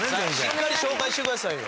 しっかり紹介してくださいよ。